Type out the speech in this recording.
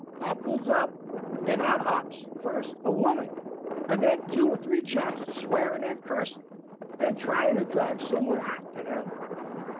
I pulls up, and out hops, first a woman, and then two or three chaps swearing and cursin', and tryin' to drag some one arter them.